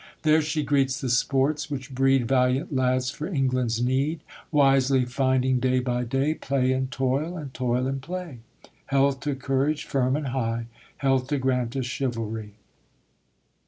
There she greets the sports, which breed Valiant lads for England's need; Wisely finding, day by day, Play in toil, and toil in play. Health to courage, firm and high! Health to Granta's chivalry!